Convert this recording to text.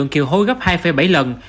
kiều hối gấp hai bảy lần